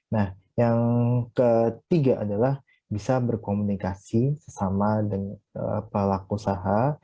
nah yang ketiga adalah bisa berkomunikasi sesama dengan pelaku usaha